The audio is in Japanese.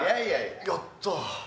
やった！